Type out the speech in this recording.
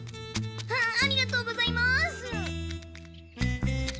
ありがとうございます。